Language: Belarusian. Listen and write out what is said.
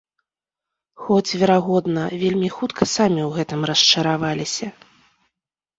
Хоць, верагодна, вельмі хутка самі ў гэтым расчараваліся.